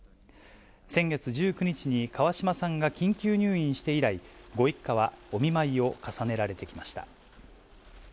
先月１９日に川嶋さんが緊急入院して以来、ご一家はお見舞いを重ねられてきました。